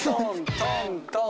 トントン。